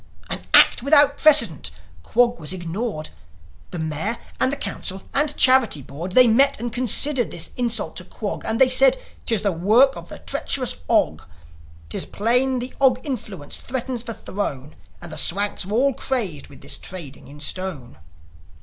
An act without precedent! Quog was ignored! The Mayor and Council and Charity Board, They met and considered this insult to Quog; And they said, " 'Tis the work of the treacherous Og! 'Tis plain the Og influence threatens the Throne; And the Swanks are all crazed with this trading in stone."